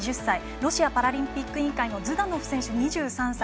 ロシアパラリンピック委員会のズダノフ選手、２３歳。